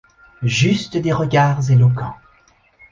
Juste des regards éloquents.